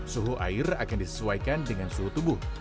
suhu air akan disesuaikan dengan suhu tubuh